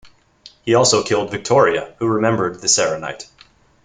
He also killed Victoria, who remembered the Serenite.